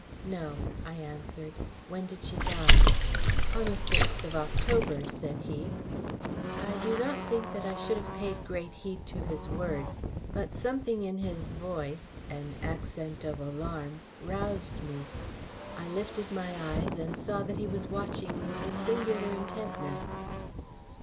"No," I answered. "When did she die?" "On the sixth of October," said he. I do not think that I should have paid great heed to his words, but something in his voice an accent of alarm roused me. I lifted my eyes and saw that he was watching me with a singular intentness.